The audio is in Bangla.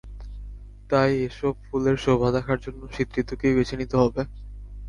তাই এসব ফুলের শোভা দেখার জন্য শীত ঋতুকেই বেছে নিতে হবে।